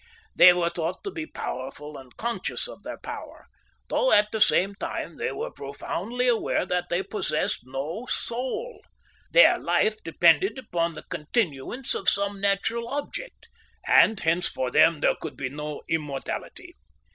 They were thought to be powerful and conscious of their power, though at the same time they were profoundly aware that they possessed no soul. Their life depended upon the continuance of some natural object, and hence for them there could be no immortality.